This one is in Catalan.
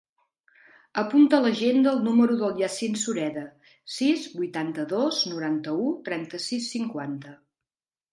Apunta a l'agenda el número del Yassine Sureda: sis, vuitanta-dos, noranta-u, trenta-sis, cinquanta.